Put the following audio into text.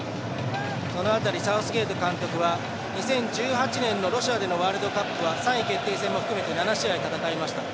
その辺りサウスゲート監督は２０１８年のロシアでのワールドカップは３位決定戦も含めて７試合、戦いました。